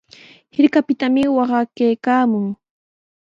Hirkapitami qayakuykaayaamun.